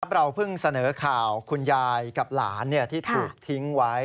เราเพิ่งเสนอข่าวคุณยายกับหลานที่ถูกทิ้งไว้